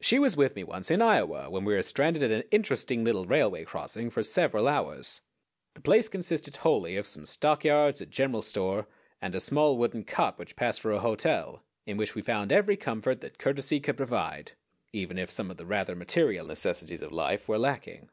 She was with me once in Iowa when we were stranded at an interesting little railway crossing for several hours. The place consisted wholly of some stock yards, a general store, and a small wooden cot which passed for a hotel, in which we found every comfort that courtesy could provide, even if some of the rather material necessities of life were lacking.